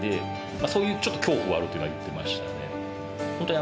そういう恐怖はあるというのは言ってましたね。